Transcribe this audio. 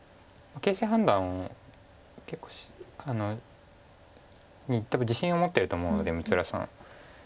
形勢判断結構に多分自信を持ってると思うので六浦さん。